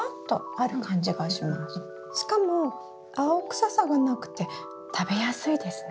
しかも青臭さがなくて食べやすいですね。